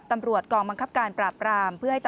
ท่านบิริสุปิศาเส